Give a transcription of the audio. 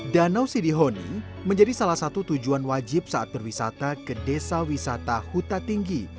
danau sidihoni menjadi salah satu tujuan wajib saat berwisata ke desa wisata huta tinggi